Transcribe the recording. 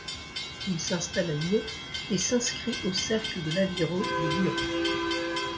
Il s'installe à Lyon et s'inscrit au Cercle de l'aviron de Lyon.